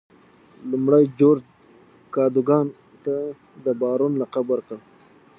لومړي جورج کادوګان ته د بارون لقب ورکړ.